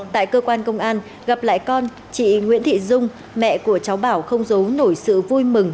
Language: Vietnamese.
tại cơ quan công an gặp lại con chị nguyễn thị dung mẹ của cháu bảo không giấu nổi sự vui mừng